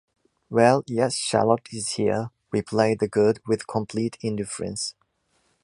Well, yes, Charlot is here, replied the guard with complete indifference.